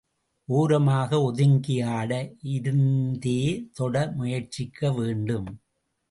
ஒரமாக ஒதுங்கி ஆட, இருந்தே தொட முயற்சிக்க வேண்டும்.